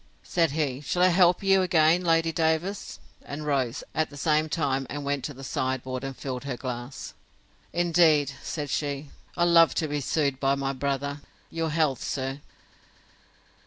Said he, Shall I help you again, Lady Davers?—and rose, at the same time, and went to the sideboard, and filled her a glass. Indeed, said she, I love to be soothed by my brother!—Your health, sir!